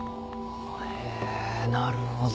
へぇなるほど。